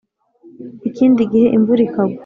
ikindi gihe imvura ikagwa.